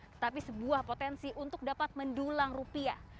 tetapi sebuah potensi untuk dapat mendulang rupiah